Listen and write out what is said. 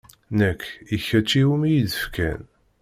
Nekk i kečč i wumi iyi-d-fkan.